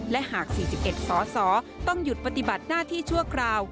และหาก๔๑สสต้องหยุดปฏิบัติหน้าที่ชั่วคราว